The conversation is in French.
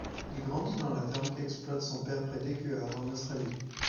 Il grandit dans la ferme qu'exploite son père près d'Echuca, en Australie.